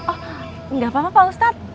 oh enggak apa apa pak ustadz